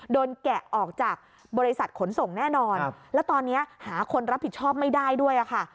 แกะออกจากบริษัทขนส่งแน่นอนแล้วตอนนี้หาคนรับผิดชอบไม่ได้ด้วยค่ะ